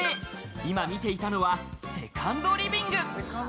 今、見ていたのはセカンドリビング。